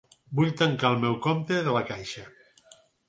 Vull tancar el meu compte de La Caixa.